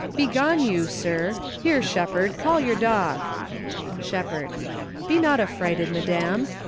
_ Begone, you, sir! Here, shepherd, call your dog. Shepherd. Be not affrighted, madame.